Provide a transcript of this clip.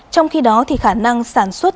trong khi đó khả năng sản xuất